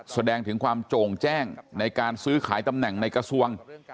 แสดงถึงความโจ่งแจ้งในการซื้อขายตำแหน่งในกระทรวง